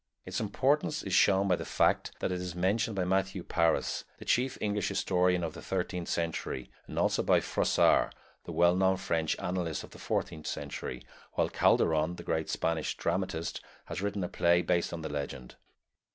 Its importance is shown by the fact that it is mentioned by Matthew Paris, the chief English historian of the thirteenth century, and also by Froissart, the well known French annalist of the fourteenth while Calderon, the great Spanish dramatist, has written a play based on the legend.